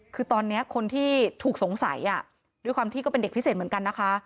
คือตอนนี้คนที่ถูกสงสัยด้วยความที่ก็เป็นเด็กพิเศษเหมือนกันนะคะ